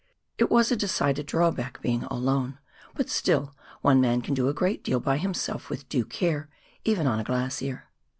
It was a decided drawback being alone, but still one man can do a gi'eat deal by himself with due care, even on a glacier.